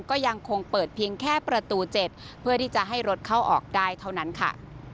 ก็ยังคงเปิดเพียงแค่ประตู๗เพื่อที่จะให้รถเข้าออกได้เท่านั้นค่ะ